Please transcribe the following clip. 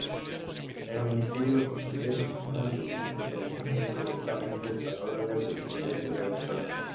El ministerio es un ente dependiente directamente de las órdenes del presidente de Venezuela.